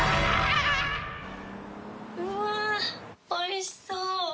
うわあおいしそう！